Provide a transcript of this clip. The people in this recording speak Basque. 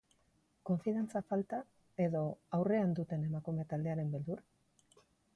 Konfiantza falta edo aurrean duten emakume-taldearen beldur?